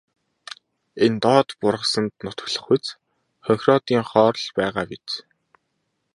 Энэ доод бургасанд нутаглах хонхироодынхоор л байгаа биз.